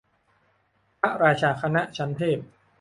พระราชาคณะชั้นเทพ